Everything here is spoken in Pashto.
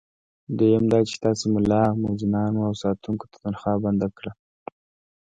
دویم دا چې تاسي ملا، مؤذنانو او ساتونکو ته تنخوا بنده کړه.